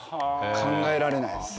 考えられないです。